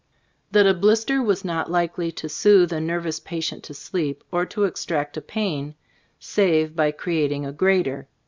That a blister was not likely to soothe a nervous patient to sleep, or to extract a pain, save by creating a greater.